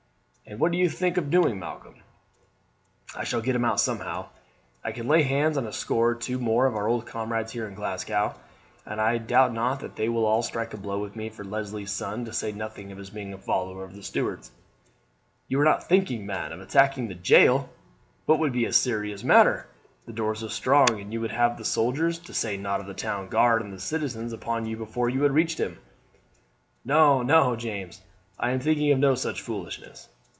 "And what do you think of doing, Malcolm?" "I shall get him out somehow. I can lay hands on a score or two or more of our old comrades here in Glasgow, and I doubt not that they will all strike a blow with me for Leslie's son, to say nothing of his being a follower of the Stuarts." "You are not thinking, man, of attacking the jail! That would be a serious matter. The doors are strong, and you would have the soldiers, to say nought of the town guard and the citizens, upon you before you had reached him." "No, no, James, I am thinking of no such foolishness.